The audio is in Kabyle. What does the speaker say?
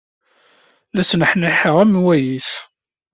La sneḥniḥeɣ am wayis.